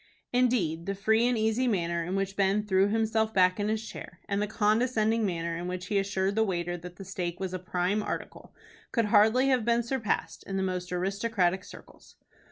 Indeed, the free and easy manner in which Ben threw himself back in his chair, and the condescending manner in which he assured the waiter that the steak was "a prime article," could hardly have been surpassed in the most aristocratic circles.